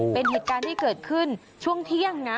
เป็นเหตุการณ์ที่เกิดขึ้นช่วงเที่ยงนะ